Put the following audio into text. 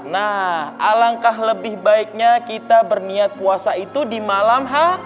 nah alangkah lebih baiknya kita berniat puasa itu di malam ha